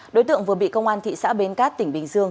đối tượng vừa bị công an thị xã bến cát tỉnh bình dương